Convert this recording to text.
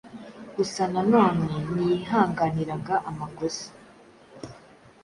gusa na none ntiyihanganiraga amakosa